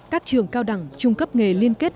các trường cao đẳng trung cấp nghề liên kết